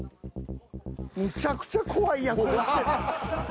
むちゃくちゃ怖いやん。